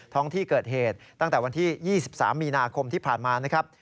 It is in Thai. ท้องที่เกิดเหตุตั้งแต่วันที่๒๓มีนาคมที่ผ่านมานะครับ